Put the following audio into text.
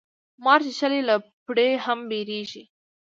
مار چیچلی له پړي هم بېريږي.